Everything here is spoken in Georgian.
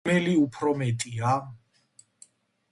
რომელი უფრო მეტია?